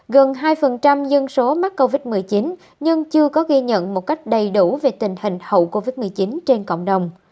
gần hai dân số mắc covid một mươi chín nhưng chưa có ghi nhận một cách đầy đủ về tình hình hậu covid một mươi chín trên cộng đồng